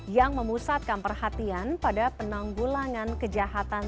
yang memusatkan perhatian pada penanggulangan kejahatan